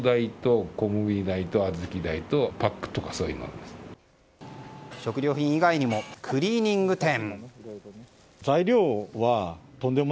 更に食料品以外にもクリーニング店。